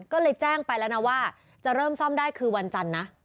ก็เลยแจ้งไปแล้วนะว่าจะเริ่มซ่อมได้คือวันจันทร์นะ